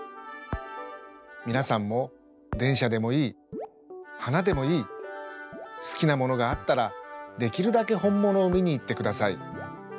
みなさんもでんしゃでもいいはなでもいいすきなものがあったらできるだけほんものを見に行ってください。